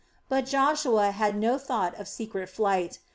But Joshua had no thought of secret flight.